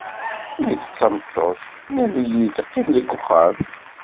Nekk d tameṭṭut, nnan-iyi-d qqim deg uxxam.